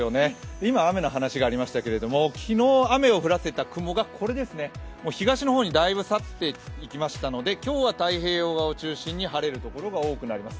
今、雨の話がありましたけれども、昨日雨を降らせた雲がこれですね、東の方にだいぶ去っていきましたので今日は太平洋側を中心に晴れる所が多くなります。